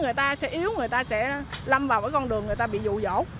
người ta sẽ yếu người ta sẽ lâm vào cái con đường người ta bị dụ dỗ